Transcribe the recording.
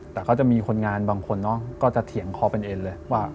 แต่ก็จะมีคนงานบางคนเนอะก็จะเถียงคอเป็นเอ็นเลยว่า